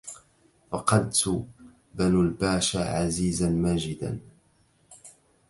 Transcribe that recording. فقدت بنو الباشا عزيزا ماجدا